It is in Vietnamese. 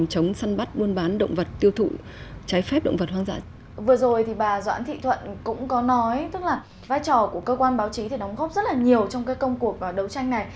tức là vai trò của cơ quan báo chí thì đóng góp rất là nhiều trong cái công cuộc và đấu tranh này